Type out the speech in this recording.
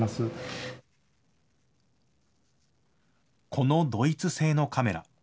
このドイツ製のカメラ。